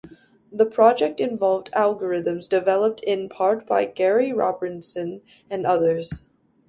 The project involved algorithms developed in part by Gary Robinson and others.